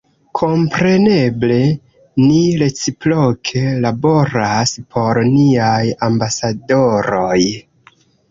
Kompreneble, ni reciproke laboras por niaj ambasadoroj